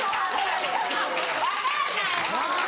分かんないの！